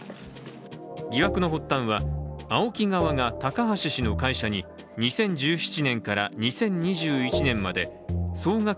疑惑の発端はＡＯＫＩ側が高橋氏の会社に２０１７年から、２０２１年まで総額